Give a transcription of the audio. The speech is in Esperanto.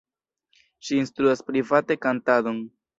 Ŝi instruas private kantadon.